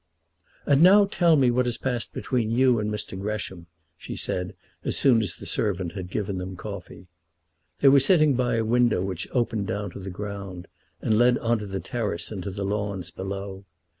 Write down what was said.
"And now tell me what has passed between you and Mr. Gresham," she said as soon as the servant had given them coffee. They were sitting by a window which opened down to the ground, and led on to the terrace and to the lawns below.